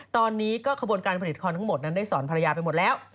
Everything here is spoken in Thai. ตอนนี้ก็ขบวนการผลิตคอนทั้งหมดนั้นได้สอนภรรยาไปหมดแล้ว